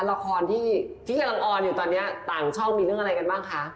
ละครที่กำลังออนอยู่ตอนนี้ต่างช่องมีเรื่องอะไรกันบ้างคะ